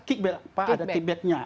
kickback pak ada kickbacknya